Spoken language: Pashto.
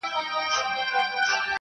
خړي خاوري د وطن به ورته دم د مسیحا سي--!